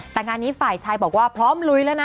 แต่งานนี้ฝ่ายชายบอกว่าพร้อมลุยแล้วนะ